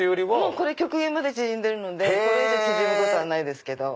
これ極限まで縮んでるのでこれ以上縮むことはないです。